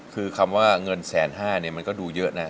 คือคำว่าเงินแสนห้าเนี่ยมันก็ดูเยอะนะ